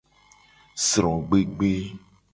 Srogbegbe.